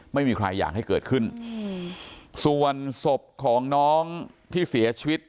ไม่มีใครอยากให้เกิดขึ้นส่วนศพของน้องที่เสียชีวิต